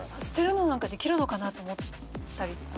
捨てるのなんかできるのかなと思ったり。